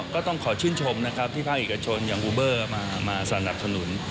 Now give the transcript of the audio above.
ก็ต้องขอชื่นชมนะครับที่ภาคเอกชนอย่างบูเบอร์มาสนับสนุน